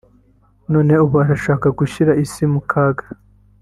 none ubu arashaka gushyira isi mu kaga